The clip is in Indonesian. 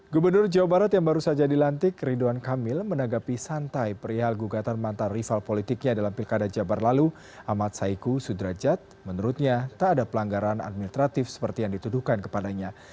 gubernur jawa barat yang baru saja dilantik ridwan kamil menanggapi santai perihal gugatan mantan rival politiknya dalam pilkada jabar lalu amat saiku sudrajat menurutnya tak ada pelanggaran administratif seperti yang dituduhkan kepadanya